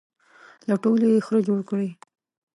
له ټولو یې خره جوړ کړي.